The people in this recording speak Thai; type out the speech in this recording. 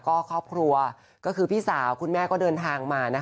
ก็ครอบครัวก็คือพี่สาวคุณแม่ก็เดินทางมานะคะ